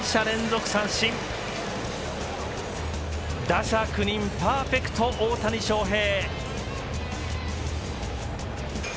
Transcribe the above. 打者９人パーフェクト大谷翔平。